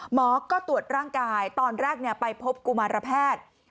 หมอก็ตรวจร่างกายตอนแรกไปพบกุมารแพทย์